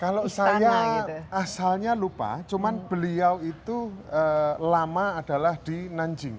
kalau saya asalnya lupa cuma beliau itu lama adalah di nanjing